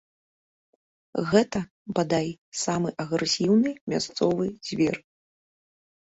Гэта, бадай, самы агрэсіўны мясцовы звер.